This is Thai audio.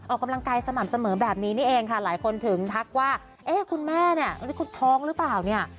ออกกำลังกายสม่ำเสมอแบบนี้นี่เองค่ะหลายคนถึงทักว่าเอ๊ะคุณแม่เนี่ยคุณท้องหรือเปล่าเนี่ย